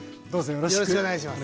よろしくお願いします